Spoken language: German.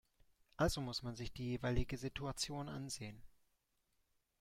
Also muss man sich die jeweilige Situation ansehen.